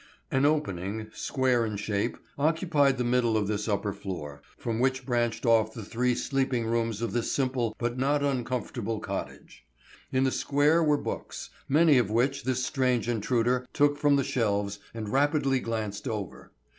An opening, square in shape, occupied the middle of this upper floor, from which branched off the three sleeping rooms of this simple but not uncomfortable cottage. In the square were books, many of which this strange intruder took from the shelves and rapidly glanced over.